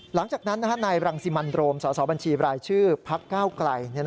หลังจากนั้นนายรังสิมันโรมสสบัญชีบรายชื่อพักก้าวไกล